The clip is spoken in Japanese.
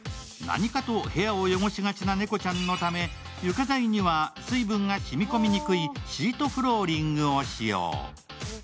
何かと部屋を汚しがちな猫ちゃんのため、床材には水分が染み込みにくいシートフローリングを使用。